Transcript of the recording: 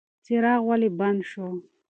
څراغ ولې بند شو؟